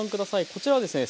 こちらですね